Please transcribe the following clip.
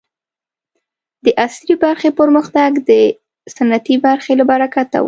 د عصري برخې پرمختګ د سنتي برخې له برکته و.